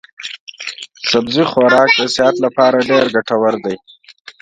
سبزي خوراک د صحت لپاره ډېر ګټور دی.